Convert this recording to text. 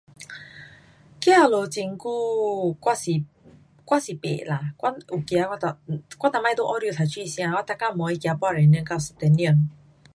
um 走路很久我是不啦。我有走我就 um 我以前在澳洲读书的时间，我每天晚上走半小时到一小时。